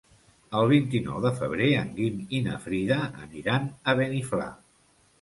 El vint-i-nou de febrer en Guim i na Frida aniran a Beniflà.